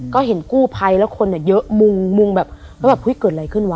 ก็เห็นกู้ภัยแล้วคนเยอะมุงมุงแบบแล้วแบบเฮ้ยเกิดอะไรขึ้นวะ